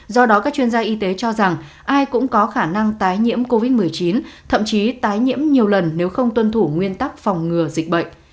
do đó các chuyên gia y tế cho rằng ai cũng có khả năng tái nhiễm covid một mươi chín thậm chí tái nhiễm nhiều lần nếu không tuân thủ nguyên tắc phòng ngừa dịch bệnh